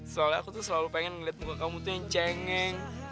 soalnya aku tuh selalu pengen ngeliat muka kamu tuh yang cengeng